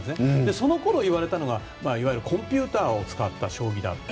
そのころ言われたのがいわゆるコンピューターを使った将棋だと。